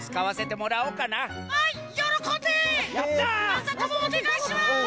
まさともおねがいします！